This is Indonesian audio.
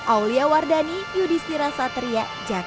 aulia wardani yudhistira satria jakarta